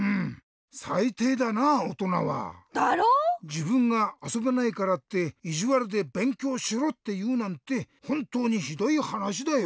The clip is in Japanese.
じぶんがあそべないからっていじわるでべんきょうしろっていうなんてほんとうにひどいはなしだよ。